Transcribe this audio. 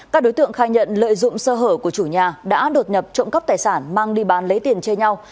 các đối tượng khai nhận lợi dụng sơ hở của chủ nhà đã đột nhập trộm cắp tài sản mang đi bán lấy tiền chia nhau